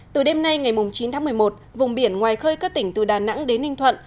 từ đêm nay ngày chín tháng một mươi một vùng biển ngoài khơi các tỉnh từ đà nẵng đến ninh thuận